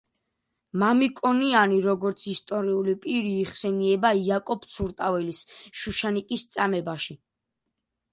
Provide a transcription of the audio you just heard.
მამიკონიანი როგორც ისტორიული პირი იხსენიება იაკობ ცურტაველის „შუშანიკის წამებაში“.